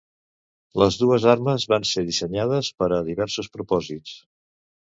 Les dues armes van ser dissenyades per a diversos propòsits.